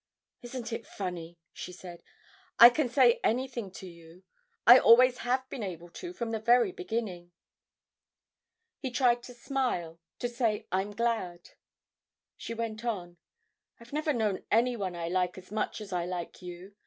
"Isn't it funny?" she said. "I can say anything to you. I always have been able to from the very beginning." He tried to smile, to say "I'm glad." She went on. "I've never known anyone I like as much as I like you.